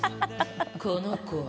この子は